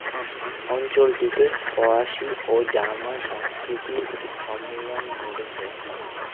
অঞ্চলটিতে ফরাসি ও জার্মান সংস্কৃতির সম্মিলন ঘটেছে।